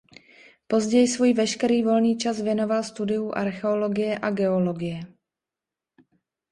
Později svůj veškerý volný čas věnoval studiu archeologie a geologie.